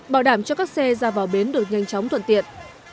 bảo đảm cho các xe ra vào bến được nhanh chóng thuận tiện